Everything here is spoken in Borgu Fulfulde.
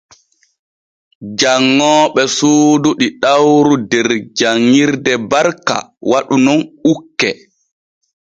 Janŋooɓe suudu ɗiɗawru der janŋirde Barka waɗu nun ukke.